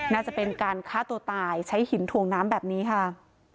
น่าจะเป็นการฆ่าตัวตายใช้หินถ่วงน้ำแบบนี้ค่ะ